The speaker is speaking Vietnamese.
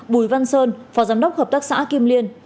bùi văn sơn phó giám đốc hợp tác xã kim liên